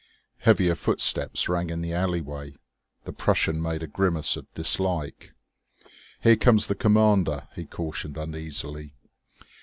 Heavier footsteps rang in the alleyway. The Prussian made a grimace of dislike. "Here comes the commander," he cautioned uneasily.